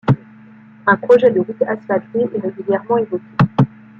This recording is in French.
Un projet de route asphaltée est régulièrement évoqué.